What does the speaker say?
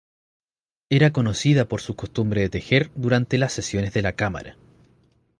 Era conocida por su costumbre de tejer durante las sesiones de la Cámara.